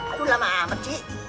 aduh lama amat sih